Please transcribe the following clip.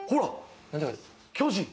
巨人。